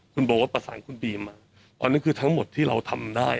คุณโบก็ประสานคุณบีมมาอันนั้นคือทั้งหมดที่เราทำได้